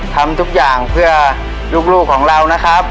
ทำทุกอย่างเพื่อลูกของเรานะครับ